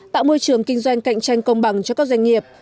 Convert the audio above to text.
tạo môi trường kinh doanh cạnh tranh công bằng cho các doanh nghiệp